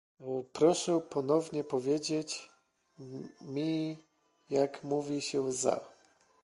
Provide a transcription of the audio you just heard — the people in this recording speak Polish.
Proszę ponownie powiedzieć mi, jak mówi się "za"